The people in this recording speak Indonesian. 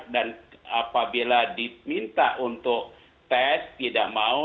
dan apabila diminta untuk tes tidak mau